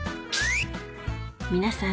皆さん